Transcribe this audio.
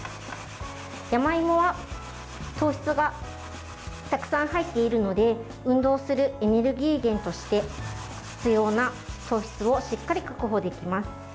山芋は糖質がたくさん入っているので運動するエネルギー源として必要な糖質をしっかり確保できます。